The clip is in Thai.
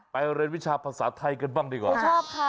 เรียนวิชาภาษาไทยกันบ้างดีกว่าชอบค่ะ